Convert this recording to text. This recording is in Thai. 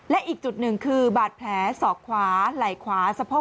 และอีกจุดหนึ่งคือบาดแผลสอกขวาไหล่ขวาสะโพก